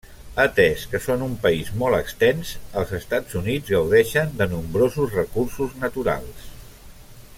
Atès que són un país molt extens, els Estats Units gaudeixen de nombrosos recursos naturals.